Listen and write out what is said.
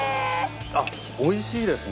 あっ美味しいですね。